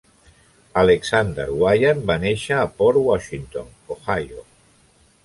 Alexander Wyant va néixer a Port Washington, Ohio.